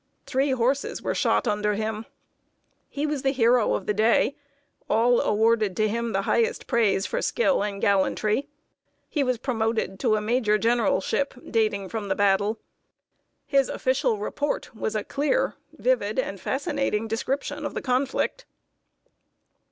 Three horses were shot under him. He was the hero of the day. All awarded to him the highest praise for skill and gallantry. He was promoted to a major generalship, dating from the battle. His official report was a clear, vivid, and fascinating description of the conflict.